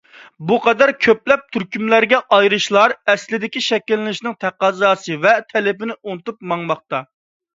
بۇ قەدەر كۆپلەپ تۈركۈملەرگە ئايرىلىشلار ئەسلىدىكى شەكىللىنىشىنىڭ تەقەززاسى ۋە تەلىپىنى ئۇنتۇپ ماڭماقتا.